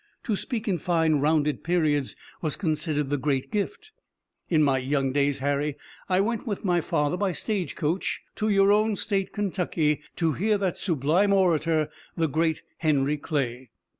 To speak in fine, rounded periods was considered the great gift. In my young days, Harry, I went with my father by stage coach to your own State, Kentucky, to hear that sublime orator, the great Henry Clay."